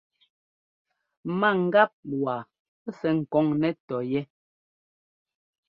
Ma gap waa sɛ́ ɛ́kɔŋ nɛ́ tɔyɛ́.